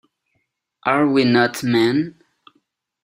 Are We Not Men?